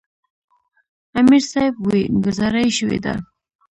امیر صېب وې " ګذاره ئې شوې ده ـ